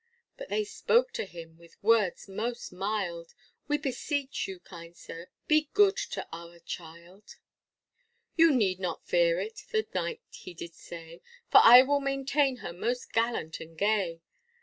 But they spoke to him with words most mild, We beseech you, kind sir, be good to our child; You need not fear it, the Knight he did say, For I will maintain her most gallant and gay.